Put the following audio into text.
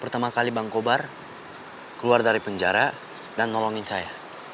pertama kali bang kobar keluar dari penjara dan nolongin saya